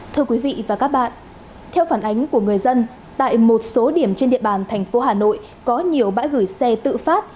thưa quý vị và các bạn theo phản ánh của người dân tại một số điểm trên địa bàn thành phố hà nội có nhiều bãi gửi xe tự phát